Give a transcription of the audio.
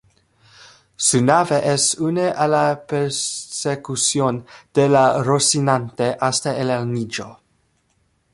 Su nave se une a la persecución de la "Rocinante" hasta el Anillo.